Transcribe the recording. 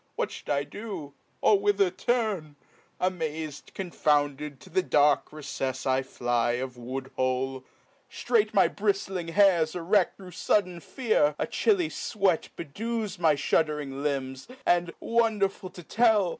What fhou'd I do ? or whither turn ? amaz'd, Confounded, to the dark recefs I fly Of woodhole ; ftrait my briftling hairs erecb Thro' fudden fear ; a chilly fwcat bedews My fhud'ring limbs, and (wonderful to tell